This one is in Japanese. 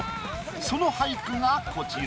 その俳句がこちら。